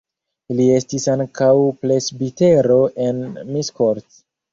Li estis ankaŭ presbitero en Miskolc.